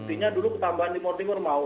buktinya dulu ketambahan timur timur mau